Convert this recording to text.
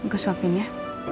gua suapin ya